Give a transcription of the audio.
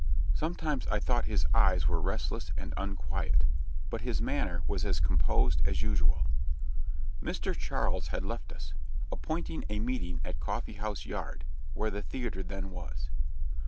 Sometimes I thought his eyes were restless and unquiet, but his manner was as composed as usual. Mr. Charles had left us, appointing a meeting at Coffee house Yard, where the theatre then was.